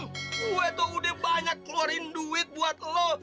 wah tuh udah banyak keluarin duit buat lo